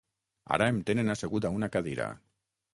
Ara em tenen assegut a una cadira.